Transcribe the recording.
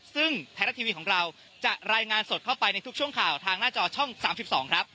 ซึ่งไทยรัฐทีวีของเราจะรายงานสดเข้าไปในทุกช่วงข่าวทางหน้าจอช่อง๓๒ครับ